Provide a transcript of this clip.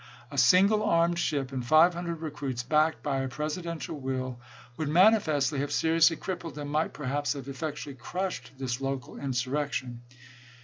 A single armed ship and five hundred recruits, backed by a Presi dential will, would manifestly have seriously crip pled and might perhaps have effectually crushed this local insurrection.